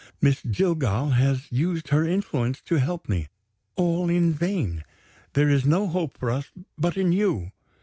Miss Jillgall has used her influence to help me. All in vain! There is no hope for us but in you.